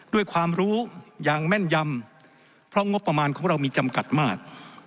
ด้วยความรู้อย่างแม่นยำเพราะงบประมาณของเรามีจำกัดมาก